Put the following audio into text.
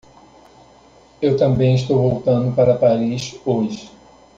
Eu também estou voltando para Paris hoje.